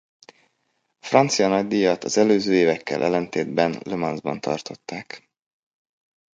A francia nagydíjat az előző évekkel ellentétben Le Mans-ban tartották.